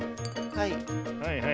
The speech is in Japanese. はい。